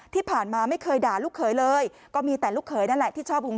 ที่ผ่านมาไม่เคยด่าลูกเขยเลยก็มีแต่ลูกเขยนั่นแหละที่ชอบหุง